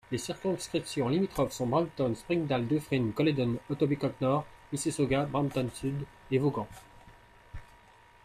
Les circonscriptions limitrophes sont Brampton—Springdale, Dufferin—Caledon, Etobicoke-Nord, Mississauga—Brampton-Sud et Vaughan.